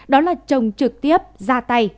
đó là chồng trực tiếp ra tay